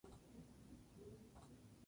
El ganador de la siguiente elección fue el Dr.